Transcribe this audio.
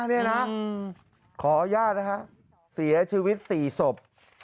ขออนุญาตนะคะเสียชีวิตสี่ศพ